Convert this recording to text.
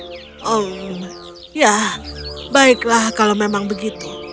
oh ya baiklah kalau memang begitu